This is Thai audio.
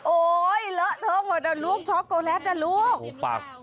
โอ๊ยเลอะเทอะหมดอ่ะลูกช็อกโกแลตนะลูกปัก